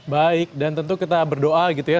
baik dan tentu kita berdoa gitu ya